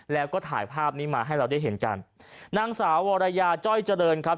แล้วก็ถ่ายภาพนี้มาให้เราได้เห็นกันนางสาววรยาจ้อยเจริญครับ